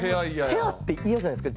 部屋って嫌じゃないですか？